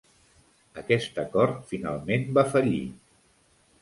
Aquest acord finalment va fallir.